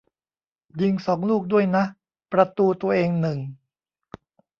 ยิงสองลูกด้วยนะ ประตูตัวเองหนึ่ง